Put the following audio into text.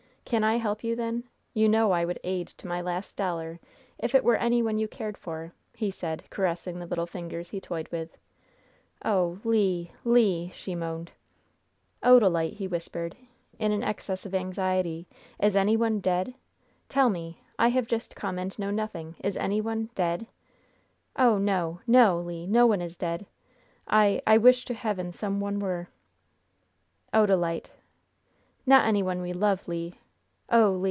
Can I help you, then? You know I would aid to my last dollar if it were any one you cared for," he said, caressing the little fingers he toyed with. "Oh, Le! Le!" she moaned. "Odalite!" he whispered, in an access of anxiety, "is any one dead? Tell me! I have just come, and know nothing. Is any one dead?" "Oh, no! No, Le! No one is dead. I I wish to Heaven some one were!" "Odalite!" "Not any one we love, Le. Oh, Le!